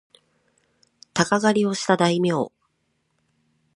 鷹狩をした大名